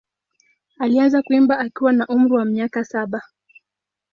Alianza kuimba akiwa na umri wa miaka saba.